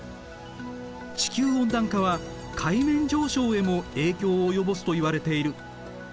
地球温暖化は海面上昇へも影響を及ぼすといわれている。